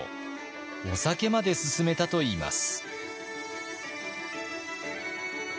お酒まで勧めたといいます。